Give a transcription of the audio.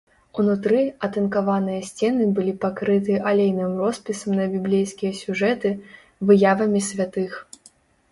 Унутры атынкаваныя сцены былі пакрыты алейным роспісам на біблейскія сюжэты, выявамі святых.